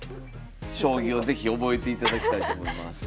将棋を是非覚えていただきたいと思います。